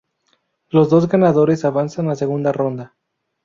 Los dos ganadores avanzan a segunda ronda.